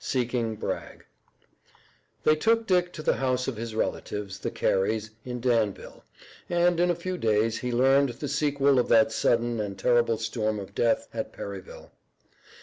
SEEKING BRAGG They took Dick to the house of his relatives, the Careys, in Danville, and in a few days he learned the sequel of that sudden and terrible storm of death at Perryville.